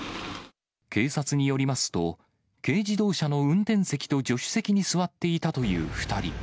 警察によりますと、軽自動車の運転席と助手席に座っていたという２人。